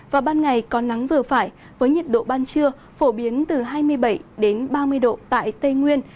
và ban ngày có nắng vừa phải với nhiệt độ ban trưa phổ biến từ hai mươi bảy đến ba mươi độ tại tây nguyên